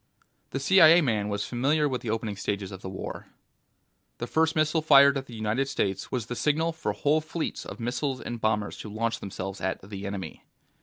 The CIA man was familiar with the opening stages of the war. The first missile fired at the United States was the signal for whole fleets of missiles and bombers to launch themselves at the Enemy.